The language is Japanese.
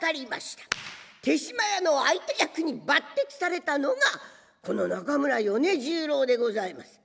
豊島屋の相手役に抜擢されたのがこの中村米十郎でございます。